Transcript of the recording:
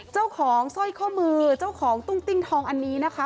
สร้อยข้อมือเจ้าของตุ้งติ้งทองอันนี้นะคะ